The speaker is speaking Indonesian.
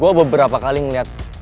gue beberapa kali ngeliat